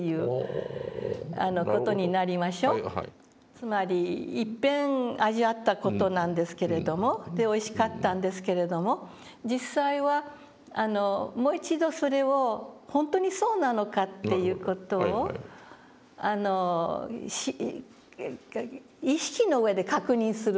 つまりいっぺん味わった事なんですけれどもでおいしかったんですけれども実際はもう一度それをほんとにそうなのかっていう事を意識の上で確認するわけですよね。